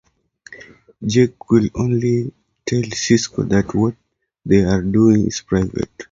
Jake will only tell Sisko that what they are doing is private.